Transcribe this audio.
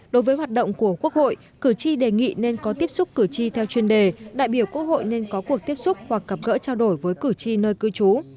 đối với hoạt động của quốc hội cử tri đề nghị nên có tiếp xúc cử tri theo chuyên đề đại biểu quốc hội nên có cuộc tiếp xúc hoặc gặp gỡ trao đổi với cử tri nơi cư trú